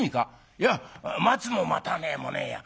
いや待つも待たねえもねえや。